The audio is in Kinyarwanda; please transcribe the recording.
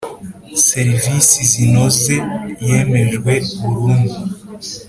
serivisi zinoze yemejwe burundu